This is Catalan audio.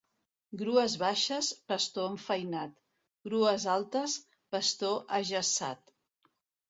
Grues baixes, pastor enfeinat; grues altes, pastor ajaçat.